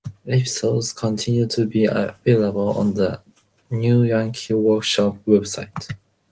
Episodes continue to be available on The New Yankee Workshop website.